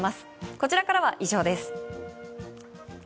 こちらからは以上です。